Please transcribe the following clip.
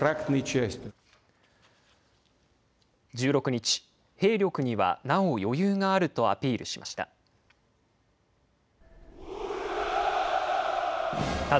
１６日、兵力にはなお余裕があるとアピールしました。